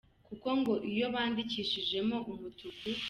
kuko ngo iyo bandikishijeho umutuku.